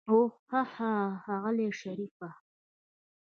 اوح هاهاها ښاغلی شريفه.